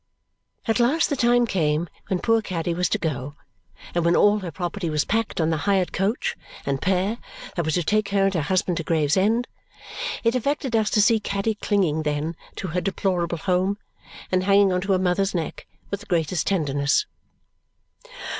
At last the time came when poor Caddy was to go and when all her property was packed on the hired coach and pair that was to take her and her husband to Gravesend. It affected us to see Caddy clinging, then, to her deplorable home and hanging on her mother's neck with the greatest tenderness.